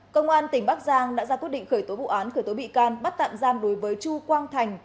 công an tỉnh bắc giang đã ra quyết định khởi tố vụ án khởi tố bị can bắt tạm giam đối với chu quang thành